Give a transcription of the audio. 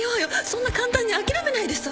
そんな簡単に諦めないでさ。